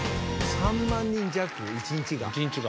３万人弱１日が。